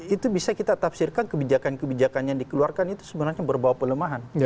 itu bisa kita tafsirkan kebijakan kebijakan yang dikeluarkan itu sebenarnya berbau pelemahan